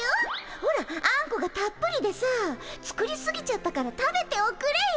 ほらあんこがたっぷりでさ作りすぎちゃったから食べておくれよ。